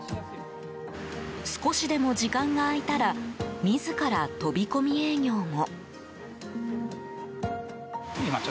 少しでも時間が空いたら自ら飛び込み営業も。